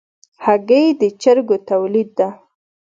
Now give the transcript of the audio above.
هګۍ د چرګو تولید ده.